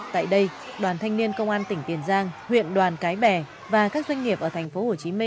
tại đây đoàn thanh niên công an tỉnh tiền giang huyện đoàn cái bè và các doanh nghiệp ở tp hcm